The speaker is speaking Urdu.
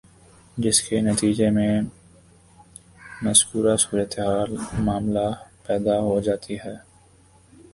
جس کے نتیجے میں مذکورہ صورتِ معاملہ پیدا ہو جاتی ہے